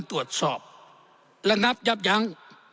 ตรวจสอบและนับยับยั้ง